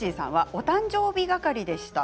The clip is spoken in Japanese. お誕生日係でした。